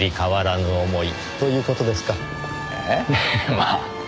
まあ。